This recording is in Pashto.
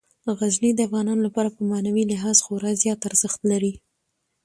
غزني د افغانانو لپاره په معنوي لحاظ خورا زیات ارزښت لري.